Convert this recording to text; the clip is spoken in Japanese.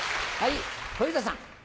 小遊三さん。